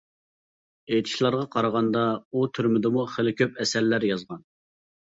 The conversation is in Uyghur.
ئېيتىشلارغا قارىغاندا، ئۇ تۈرمىدىمۇ خېلى كۆپ ئەسەرلەر يازغان.